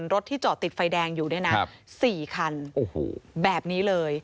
รถที่จอดติดไฟแดงอยู่เนี่ยนะ๔คันแบบนี้เลย